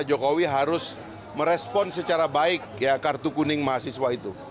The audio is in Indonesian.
jokowi harus merespon secara baik kartu kuning mahasiswa itu